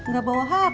gak bawa hp